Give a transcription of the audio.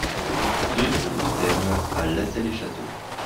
Rue de Côuterne à Lassay-les-Châteaux